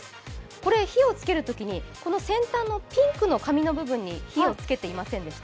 これ、火をつけるときに、先端のピンクの紙の部分に火をつけてませんでした？